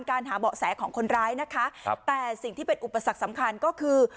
หาเบาะแสของคนร้ายนะคะครับแต่สิ่งที่เป็นอุปสรรคสำคัญก็คือ